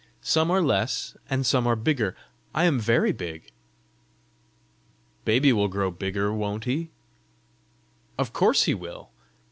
Some are less and some are bigger. I am very big." "Baby will grow bigger, won't he?" "Of course he will!"